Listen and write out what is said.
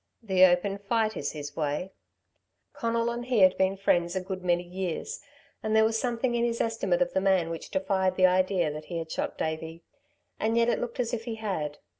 "The open fight is his way." Conal and he had been friends a good many years, and there was something in his estimate of the man which defied the idea that he had shot Davey. And yet it looked as if he had.